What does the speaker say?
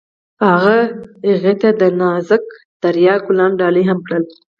هغه هغې ته د نازک دریا ګلان ډالۍ هم کړل.